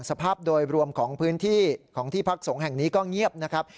สภาพโดยรวมของพื้นที่ของที่พักสงฆ์แห่งนี้ก็เงียบนะครับ